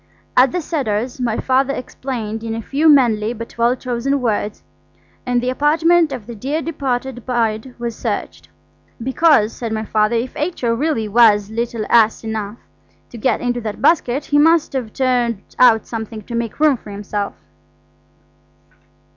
At the Cedars my Father explained in a few manly but well chosen words, and the apartment of the dear departed bride was searched. "Because," said my Father, "if H.O. really was little ass enough to get into that basket, he must have turned out something to make room for himself."